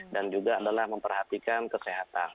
dan juga adalah memperhatikan kesehatan